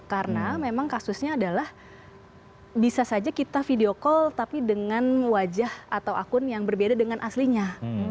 karena memang kasusnya adalah bisa saja kita video call tapi dengan wajah atau akun yang berbeda dengan aslinya